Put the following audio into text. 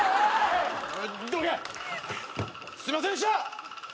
ホントすいませんでした！